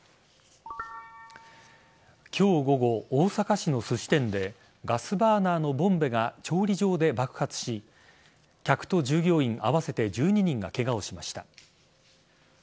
今日午後、大阪市のすし店でガスバーナーのボンベが調理場で爆発し客と従業員合わせて１２人がケガをしました。